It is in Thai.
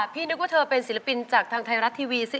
พี่นึกว่าเธอเป็นศิลปินจากทางไทยรัตริย์ทีวีซะอีก